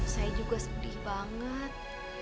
saya juga sedih banget